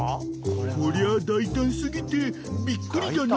［こりゃ大胆過ぎてびっくりだな］